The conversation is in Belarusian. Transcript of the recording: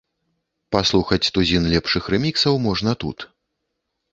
Паслухаць тузін лепшых рэміксаў можна тут.